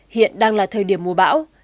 hiện đang là thời điểm mùa bão